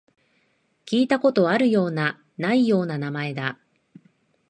聞いたことあるような、ないような名前だ